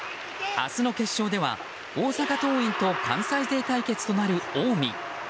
明日の決勝では大阪桐蔭と関西勢対決となる近江。